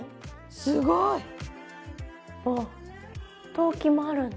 すごい！あっ陶器もあるんだ。